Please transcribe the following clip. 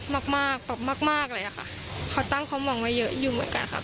มากมากแบบมากมากเลยอะค่ะเขาตั้งความหวังไว้เยอะอยู่เหมือนกันค่ะ